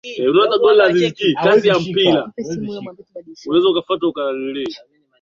tutathmini ukweli wa mambo katika uchaguzi huo wa urais iliyoongozwa na jaji mstaafu kutoka